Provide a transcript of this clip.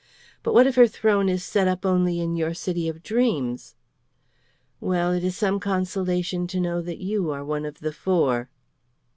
But what if her throne is set up only in your city of dreams? Well, it is some consolation to know that you are one of the four."